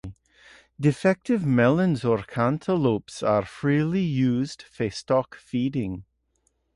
Defective melons or cantaloupes are freely used for stock feeding.